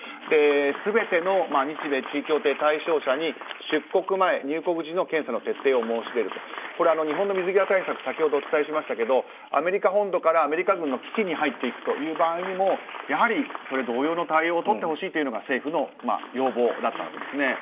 全ての日米地位協定対象者に出国前、入国時のＰＣＲ検査を申し入れると日本の水際対策先ほどお伝えしましたがアメリカ本土からアメリカ軍の基地に入っていく場合にもやはり同様の対応を取ってほしいというのが政府の要望でした。